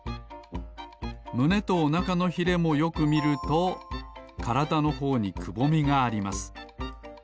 むねとおなかのヒレもよくみるとからだのほうにくぼみがあります。